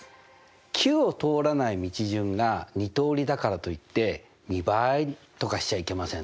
Ｑを通らない道順が２通りだからといって２倍とかしちゃいけませんね。